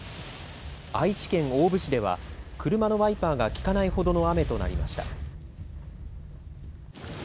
愛知県大府市では車のワイパーがきかないほどの雨となりました。